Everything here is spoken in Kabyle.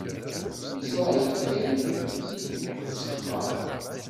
Yeẓra-yi-d kan, yettexfa.